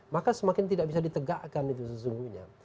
maka semakin tidak bisa ditegakkan itu sesungguhnya